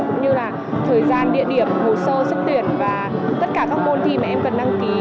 cũng như là thời gian địa điểm hồ sơ sức tuyển và tất cả các môn thi mà em cần đăng ký